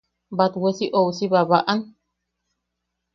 –¿Batwe si ousi babaʼam?